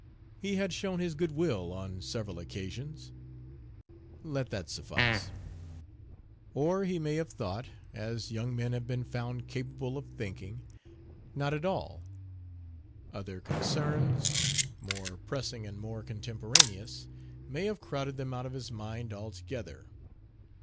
He had shown his good will on several occasions; let that suffice. Or he may have thought (as young men have been found capable of thinking) not at all: other concerns, more pressing and more contemporaneous, may have crowded them out of his mind altogether.